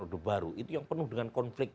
orde baru itu yang penuh dengan konflik